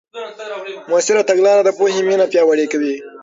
مؤثره تګلاره د پوهې مینه پیاوړې کوي.